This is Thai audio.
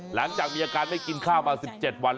หลังจากมีอาการไม่กินข้าวมา๑๗วัน